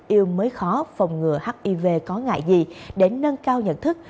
yêu mới khó phòng ngừa hiv có ngại gì để nâng cao nhận thức